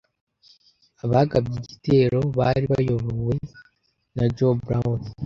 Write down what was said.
Abagabye igitero bari bayobowe na John Brown.